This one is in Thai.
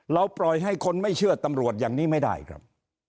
ปล่อยให้คนไม่เชื่อตำรวจอย่างนี้ไม่ได้ครับ